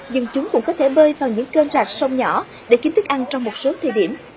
nhưng chúng cũng có thể bơi vào những cơn rạc sông nhỏ để kiếm thức ăn trong một số thời điểm